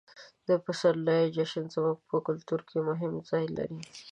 د پسرلي جشن زموږ په کلتور کې مهم ځای لري.